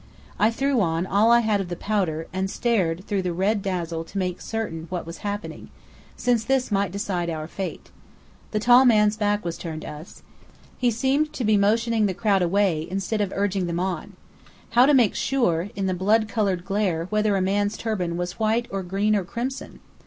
I threw on all I had of the powder, and stared through the red dazzle to make certain what was happening since this might decide our fate. The tall man's back was turned to us. He seemed to be motioning the crowd away instead of urging them on. How to make sure, in the blood coloured glare, whether a man's turban was white or green or crimson?